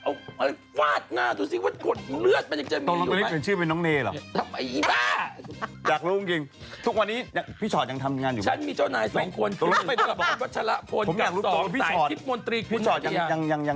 โอ้ต่อแหละแล้วเธอถ้าอย่างนั้นอะ